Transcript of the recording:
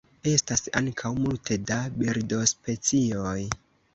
Estas ankaŭ multe da birdospecioj.